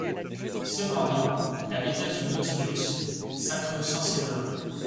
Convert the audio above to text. Cependant, la vitesse du Nautilus s’accrut sensiblement.